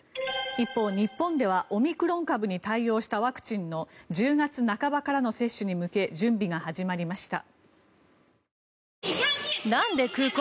一方、日本ではオミクロン株に対応したワクチンの１０月半ばからの接種に向け準備が始まりました。